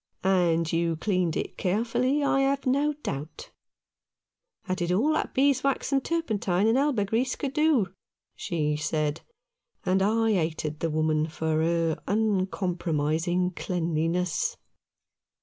" And you cleaned it carefully, I have no doubt." " I did all that beeswax and turpentine and elber grease could do," she said ; and I hated the woman for her uncompromising cleanliness.